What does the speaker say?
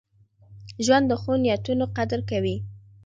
ژوند د ښو نیتونو قدر کوي.